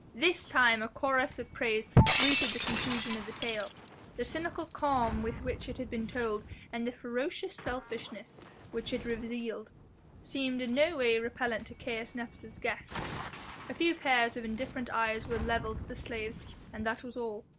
This time a chorus of praise greeted the conclusion of the tale. The cynical calm with which it had been told and the ferocious selfishness which it revealed seemed in no way repellent to Caius Nepos' guests. A few pairs of indifferent eyes were levelled at the slaves and that was all.